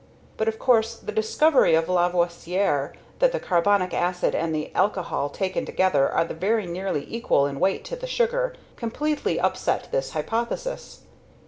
But of course the discovery of Lavoisier that the carbonic acid and the alcohol taken together are very nearly equal in weight to the sugar, completely upset this hypothesis.